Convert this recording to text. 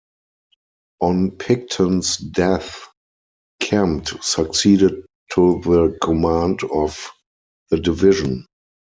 On Picton's death, Kempt succeeded to the command of the division.